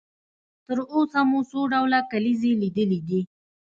تر اوسه مو څو ډوله کلیزې لیدلې دي؟